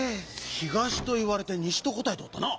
「東」といわれて「西」とこたえておったな！